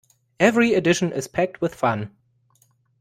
Every edition is packed with fun!